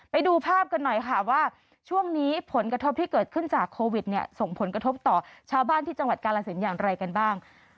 ไปดูภาพกันหน่อยค่ะว่าช่วงนี้ผลกระทบที่เกิดขึ้นจากโควิดเนี่ยส่งผลกระทบต่อชาวบ้านที่จังหวัดกาลสินอย่างไรกันบ้าง